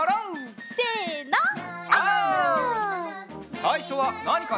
さいしょはなにかな？